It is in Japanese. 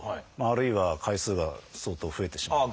あるいは回数が相当増えてしまう。